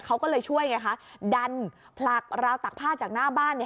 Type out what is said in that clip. เขาก็เลยช่วยไงคะดันผลักราวตักผ้าจากหน้าบ้าน